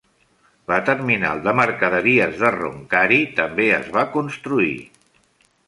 La terminal de mercaderies de Roncari també es va construir.